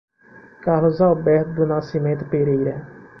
Carlos Alberto do Nascimento Pereira